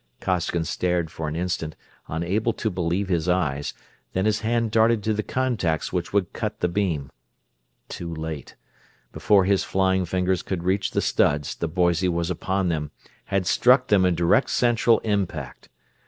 Costigan stared for an instant, unable to believe his eyes, then his hand darted to the contacts which would cut the beam. Too late. Before his flying fingers could reach the studs the Boise was upon them; had struck them in direct central impact.